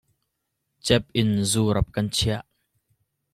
Cep in zu rap kan chiah.